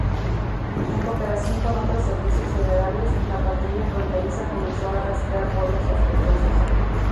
En cooperación con otros servicios federales, la Patrulla Fronteriza comenzó a rastrear vuelos sospechosos.